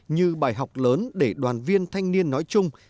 như bài học lớn để đoàn viên thanh niên nói chung